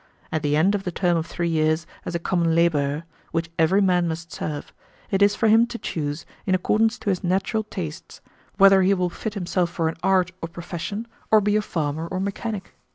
At the end of the term of three years as a common laborer, which every man must serve, it is for him to choose, in accordance to his natural tastes, whether he will fit himself for an art or profession, or be a farmer or mechanic.